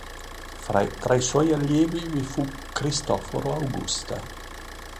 Tra i suoi allievi vi fu Cristoforo Augusta.